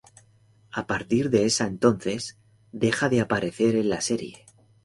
A partir de esa entonces, deja de aparecer en la serie.